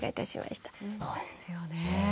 そうですよねえ。